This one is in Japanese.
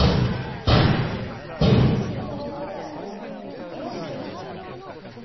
ピアノやめたら苦しくなって。